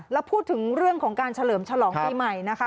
แล้วพูดถึงเรื่องของการเฉลิมฉลองปีใหม่นะคะ